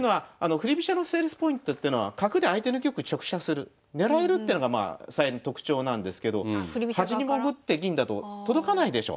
振り飛車のセールスポイントってのは角で相手の玉直射する狙えるってのが最大の特徴なんですけど端に潜って銀だと届かないでしょ。